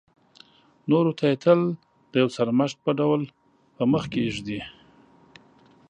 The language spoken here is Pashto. نورو ته یې تل د یو سرمشق په ډول په مخکې ږدي.